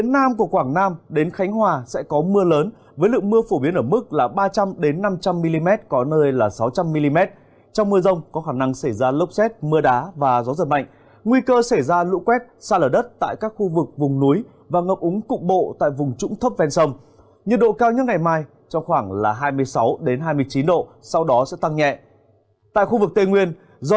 nam bộ cũng có mưa rông trong ba ngày tới cục bộ có mưa vừa mưa to